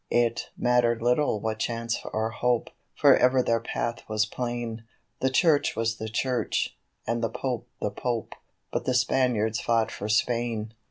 It mattered little what chance or hope, for ever their path was plain, The Church was the Church, and the Pope the Pope but the Spaniards fought for Spain.